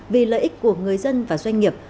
vì lợi ích của người dân và doanh nghiệp